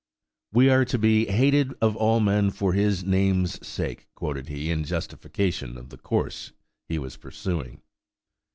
"We are to 'be hated of all men for His name's sake,'" quoted he, in justification of the course he was pursuing.